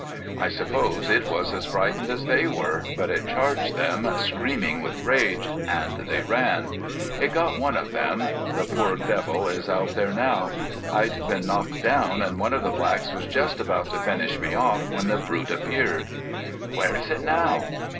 I suppose it was as frightened as they were, but it charged them, screaming with rage, and they ran. It got one of them. The poor devil is out there now. I'd been knocked down and one of the blacks was just about to finish me off when the brute appeared." "Where is it now?"